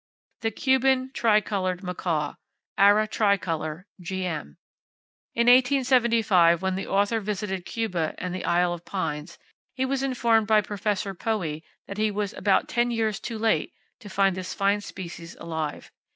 The Cuban Tricolored Macaw, —Ara tricolor, (Gm.). In 1875, when the author visited Cuba and the Isle of Pines, he was informed by Professor Poey that he was "about ten years too late" to find this fine species alive.